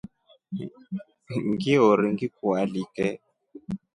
Ngiori ngikualike.